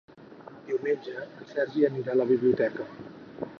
Diumenge en Sergi anirà a la biblioteca.